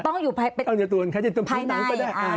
ต้องอยู่ในตัวอันไข้ในตัวผิวหนังก็ได้